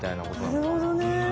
なるほどね。